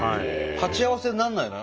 鉢合わせになんないの？